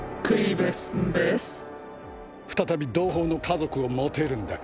再び同胞の家族を持てるんだ。